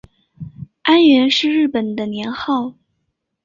安元是日本的年号。